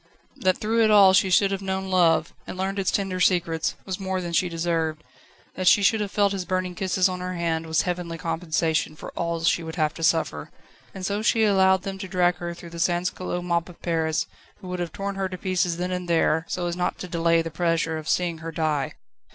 That through it all she should have known love, and learned its tender secrets, was more than she deserved. That she should have felt his burning kisses on her hand was heavenly compensation for all she would have to suffer. And so she allowed them to drag her through the sansculotte mob of Paris, who would have torn her to pieces then and there, so as not to delay the pleasure of seeing her die.